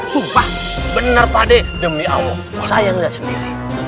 sumpah benar pak de demi allah saya yang lihat sendiri